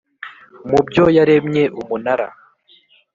mu byo yaremye Umunara